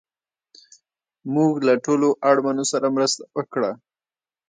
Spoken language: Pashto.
موږ له ټولو اړمنو سره مرسته وکړه